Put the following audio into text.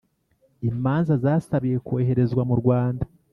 imanza zasabiwe koherezwa mu Rwanda